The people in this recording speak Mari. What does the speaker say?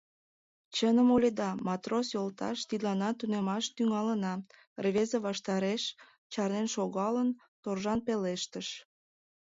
— Чыным ойледа, матрос йолташ, тидланат тунемаш тӱҥалына, — рвезе ваштареш чарнен шогалын, торжан пелештыш.